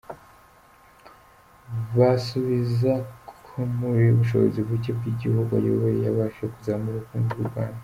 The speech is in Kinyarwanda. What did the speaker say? Basubiza ko mu bushobozi bucye bw’igihugu ayoboye yabashije kuzamura ubukungu bw’u Rwanda.